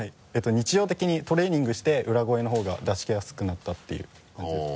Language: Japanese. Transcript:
日常的にトレーニングして裏声の方が出しやすくなったていう感じです。